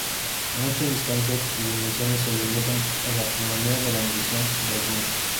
Muchas distancias y dimensiones se deducen en astronomía de la medición de ángulos.